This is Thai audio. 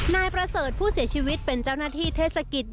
นายประเสริฐผู้เสียชีวิตเป็นเจ้าหน้าที่เทศกิจ